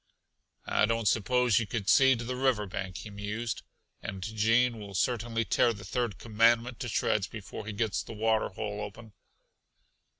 "I don't suppose you could see to the river bank," he mused, "and Gene will certainly tear the third commandment to shreds before he gets the water hole open."